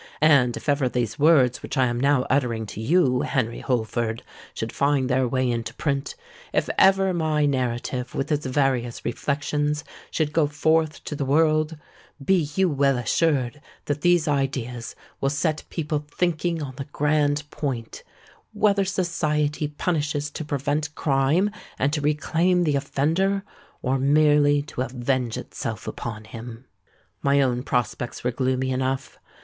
And if ever these words which I am now uttering to you, Henry Holford, should find their way into print,—if ever my narrative, with its various reflections, should go forth to the world,—be you well assured that these ideas will set people thinking on the grand point—whether society punishes to prevent crime and to reclaim the offender, or merely to avenge itself upon him? "My own prospects were gloomy enough.